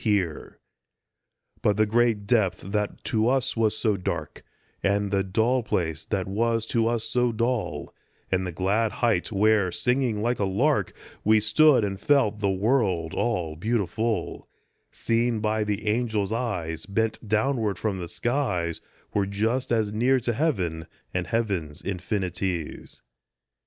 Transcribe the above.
FAR AND NEAR 5 1 But the great depth that was to us so dark, And the dull place that was to us so dull, And the glad height where, singing like a lark, We stood, and felt the world all beautiful, Seen by the angels' eyes, bent downward from the skies, Were just as near to heaven and heaven's infinities.